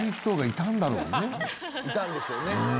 いたんでしょうね。